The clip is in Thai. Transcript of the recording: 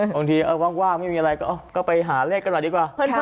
บางทีว่างไม่มีอะไรก็ไปหาเลขกันหน่อยดีกว่า